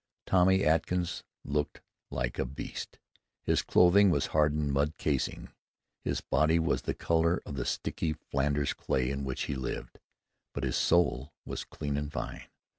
Tommy Atkins looked like a beast. His clothing was a hardened mud casing; his body was the color of the sticky Flanders clay in which he lived; but his soul was clean and fine.